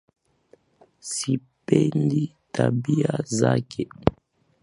Sipendi tabia zake